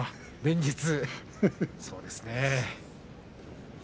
連日そうですね。